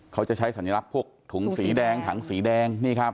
เขาจะใช้สัญลักษณ์พวกถุงสีแดงถังสีแดงนี่ครับ